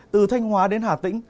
từ thanh hóa đến hà tĩnh